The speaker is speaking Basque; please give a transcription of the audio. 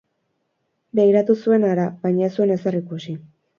Begiratu zuen hara, baina ez zuen ezer ikusi.